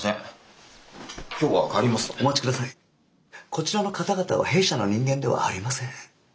こちらの方々は弊社の人間ではありません。